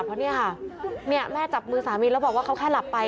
เพราะเนี่ยค่ะแม่จับมือสามีแล้วบอกว่าเขาแค่หลับไป